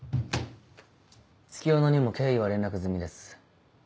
月夜野にも経緯は連絡済みです。